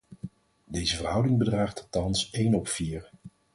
Deze verhouding bedraagt thans één op vier.